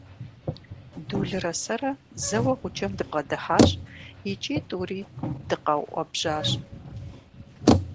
Дулрэ сэрэ зэуэ гъуджэм дыбгъэдыхьащ икӀи тӀури дыкъэуӀэбжьащ.